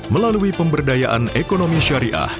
melalui pemberdayaan ekonomi syariah